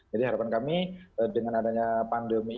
jadi harapan kami dengan adanya pandemi